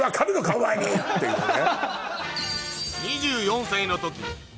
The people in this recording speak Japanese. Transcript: お前に！」っていうね。